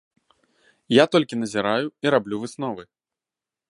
Я толькі назіраю і раблю высновы.